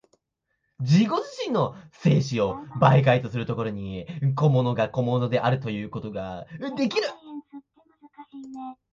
自己自身の生死を媒介とする所に、個物が個物であるということができる。